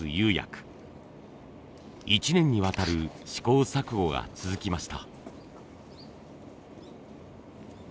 １年にわたる試行錯誤が続きました。